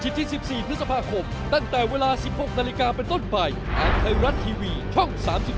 สวัสดีครับทุกคน